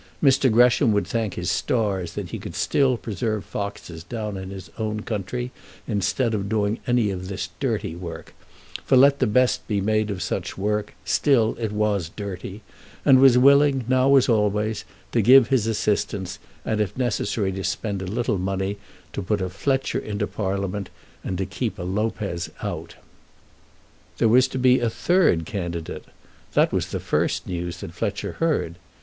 Mr. Gresham would thank his stars that he could still preserve foxes down in his own country, instead of doing any of this dirty work, for let the best be made of such work, still it was dirty, and was willing, now as always, to give his assistance, and if necessary to spend a little money, to put a Fletcher into Parliament and to keep a Lopez out. There was to be a third candidate. That was the first news that Fletcher heard.